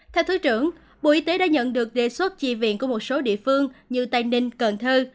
theo thứ trưởng bộ y tế đã nhận được đề xuất chi viện của một số địa phương như tây ninh cần thơ